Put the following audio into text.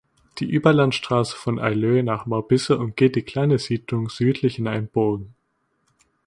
Die Überlandstraße von Aileu nach Maubisse umgeht die kleine Siedlung südlich in einem Bogen.